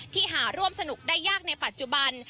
ที่หาร่วมสนุกได้ยากในปัจจุบัน